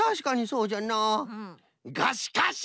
がしかし！